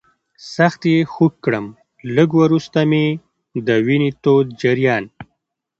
سخت یې خوږ کړم، لږ وروسته مې د وینې تود جریان.